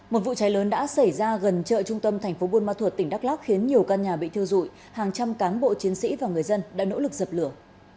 một vụ cháy lớn đã xảy ra gần chợ trung tâm tp buôn ma thuột tỉnh đắk lóc khiến nhiều căn nhà bị thiêu rụi hàng trăm cán bộ chiến sĩ và người dân đã nỗ lực dập lửa